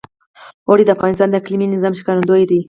اوړي د افغانستان د اقلیمي نظام ښکارندوی ده.